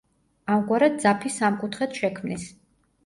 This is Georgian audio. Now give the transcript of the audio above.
ამგვარად ძაფი სამკუთხედს შექმნის.